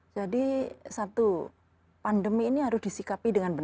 jadi satu pandemi ini harus disikapi dengan berat